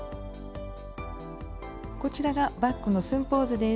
こちらがバッグの寸法図です。